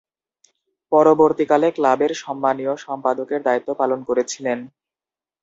পরবর্তীকালে ক্লাবের সম্মানীয় সম্পাদকের দায়িত্ব পালন করেছিলেন।